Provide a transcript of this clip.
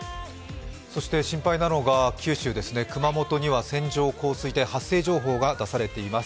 そして心配なのが九州ですね、熊本には線状降水帯発生情報が出されています。